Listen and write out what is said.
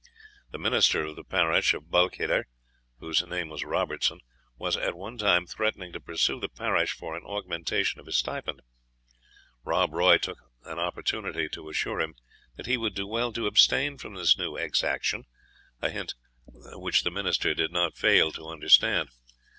The minister of the parish of Balquhidder, whose name was Robertson, was at one time threatening to pursue the parish for an augmentation of his stipend. Rob Roy took an opportunity to assure him that he would do well to abstain from this new exaction a hint which the minister did not fail to understand.